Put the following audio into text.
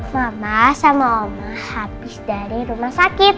mama sama oma habis dari rumah sakit